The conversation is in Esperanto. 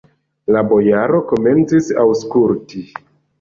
La bojaro komencis aŭskulti.